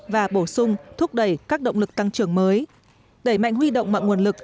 và bổ sung thúc đẩy các động lực tăng trưởng mới đẩy mạnh huy động mọi nguồn lực